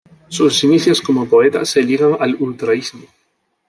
Sus inicios como poeta se ligan al ultraísmo.